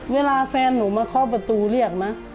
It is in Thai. เวลาแฟนหนูมาเคาะประตูเรียกนะ